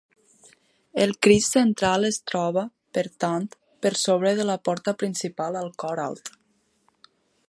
El Crist central es troba, per tant, per sobre de la porta principal al cor alt.